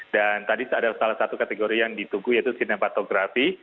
tadi ada salah satu kategori yang ditunggu yaitu sinematografi